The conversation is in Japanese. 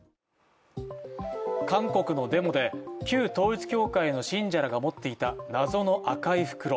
韓国のデモで旧統一教会の信者らが持っていた謎の赤い袋。